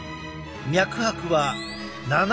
脈拍は７８。